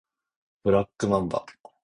ブラックマンバ